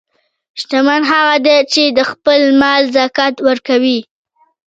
شتمن هغه دی چې د خپل مال زکات ورکوي.